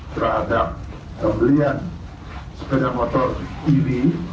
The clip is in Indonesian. terhadap pembelian sepeda motor ini